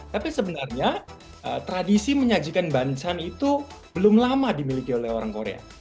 tapi sebenarnya tradisi menyajikan ban itu belum lama dimiliki oleh orang korea